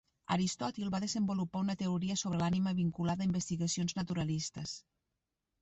Aristòtil va desenvolupar una teoria sobre l'ànima vinculada a investigacions naturalistes.